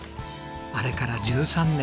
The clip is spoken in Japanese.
あれから１３年。